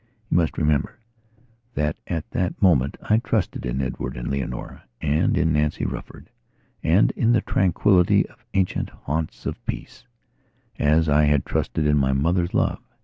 You must remember that at that moment I trusted in Edward and Leonora and in Nancy Rufford, and in the tranquility of ancient haunts of peace, as I had trusted in my mother's love.